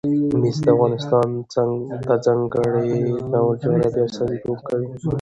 مس د افغانستان د ځانګړي ډول جغرافیه استازیتوب کوي.